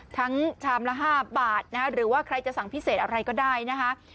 ชามละ๕บาทหรือว่าใครจะสั่งพิเศษอะไรก็ได้นะคะ